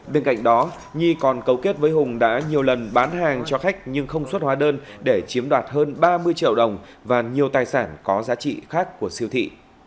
bên cạnh đó nhi còn cấu kết với hùng đã nhiều lần bán hàng cho khách nhưng không xuất hóa đơn để chiếm đoạt hơn ba mươi triệu đồng và nhiều tài sản có giá trị khác của siêu thị